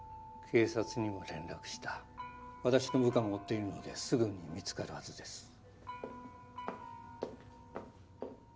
警察にも連絡した私の部下も追っているのですぐに見つかるはずです